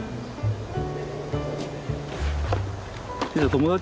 友達？